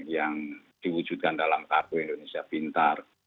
yang diwujudkan dalam kartu indonesia pintar